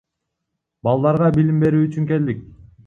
Балдарга билим берүү үчүн келдик.